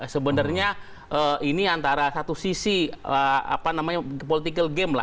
sebenarnya ini antara satu sisi political game lah